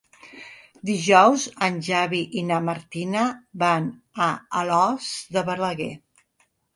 Dijous en Xavi i na Martina van a Alòs de Balaguer.